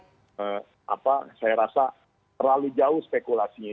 apa saya rasa terlalu jauh spekulasinya